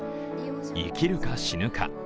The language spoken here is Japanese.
生きるか死ぬか。